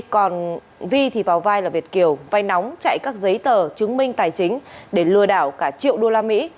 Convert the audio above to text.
còn vi thì vào vai là việt kiều vai nóng chạy các giấy tờ chứng minh tài chính để lừa đảo cả triệu usd